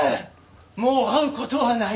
もう会う事はない」。